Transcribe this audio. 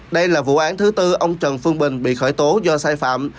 đây là vụ án thứ tư ông trần phương bình bị khởi tố do sai phạm